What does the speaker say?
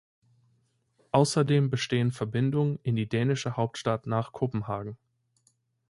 Außerdem bestehen Verbindungen in die dänische Hauptstadt nach Kopenhagen.